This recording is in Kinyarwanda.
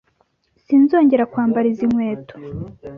Sinzongera kwambara izi nkweto.